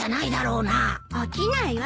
起きないわ！